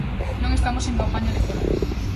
Non estamos en campaña electoral.